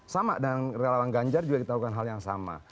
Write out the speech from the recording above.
sama dengan relawan ganjar juga kita lakukan hal yang sama